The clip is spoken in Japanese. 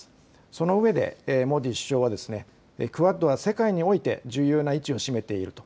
その上で、モディ首相はクアッドは世界において重要な位置を占めていると。